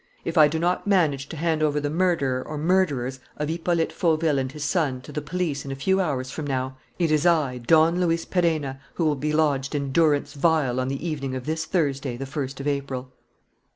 If I do not manage to hand over the murderer or murderers of Hippolyte Fauville and his son to the police in a few hours from now, it is I, Don Luis Perenna, who will be lodged in durance vile on the evening of this Thursday, the first of April."